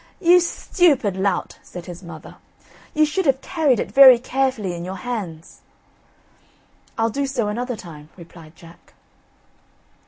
"You stupid lout," said his mother, "you should have carried it very carefully in your hands." "I'll do so another time," replied Jack.